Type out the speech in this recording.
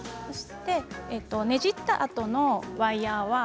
ねじったあとのワイヤーは。